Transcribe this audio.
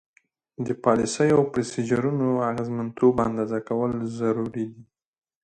د پالیسیو او پروسیجرونو اغیزمنتوب اندازه کول ضروري دي.